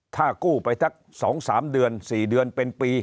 ถ้ากู้ไปสองสามเดือนสี่เดือนเป็นปี